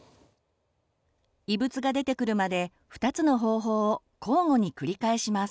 異物が出てくるまで２つの方法を交互に繰り返します。